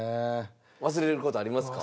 忘れる事ありますか。